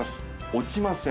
落ちません。